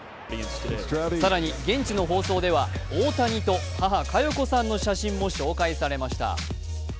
更に現地の放送では、大谷と母・加代子さんの写真も紹介されました。